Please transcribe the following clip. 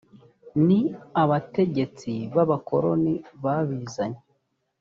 ni abategetsi babakoroni babizanye.